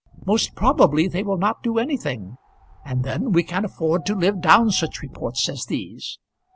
Most probably they will not do anything, and then we can afford to live down such reports as these.